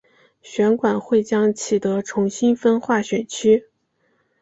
选管会将启德重新分划选区。